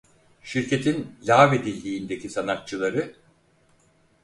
Şirketin lağvedildiğindeki sanatçıları: